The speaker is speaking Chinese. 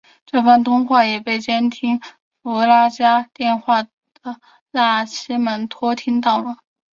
这番通话也被监听弗拉加电话的纳西门托听到了。